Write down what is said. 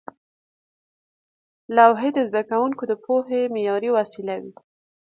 لوحې د زده کوونکو د پوهې معیاري وسیله وې.